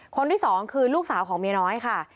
คนที่สองคือลูกสาวของเมียน้อยค่ะ